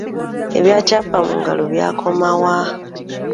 Ebya Kyapa Mu Ngalo byakoma wa?